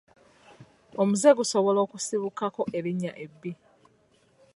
Omuze gusobola okusibukako erinnya ebbi.